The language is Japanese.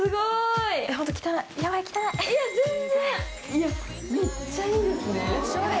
いやめっちゃいいですね。